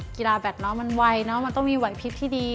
กีฬาแบตน้องมันวัยมันต้องมีวัยพลิกที่ดี